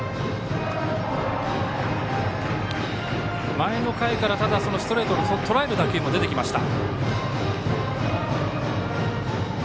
前の回からストレートをとらえる打球も出てきました。